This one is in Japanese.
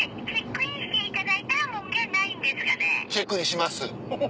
チェックインします。